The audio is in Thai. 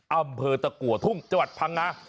อำเภอตะกัวทุ่งจังหวัดพังงา